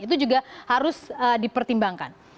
itu juga harus dipertimbangkan